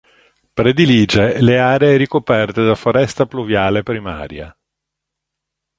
Predilige le aree ricoperte da foresta pluviale primaria.